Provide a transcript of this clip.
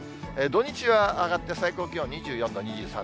土日は上がって、最高気温２４度、２３度。